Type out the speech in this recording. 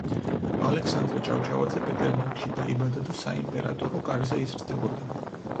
ალექსანდრე ჭავჭავაძე პეტერბურგში დაიბადა და საიმპერატორო კარზე იზრდებოდა.